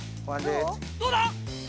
どうだ？